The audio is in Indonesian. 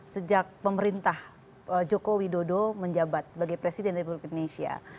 sejak pemerintah joko widodo menjabat sebagai presiden republik indonesia